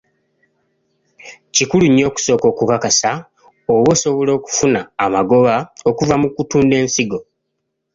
Kikulu nnyo okusooka okukakasa oba osobola okufuna amagoba okuva mu kutunda ensigo.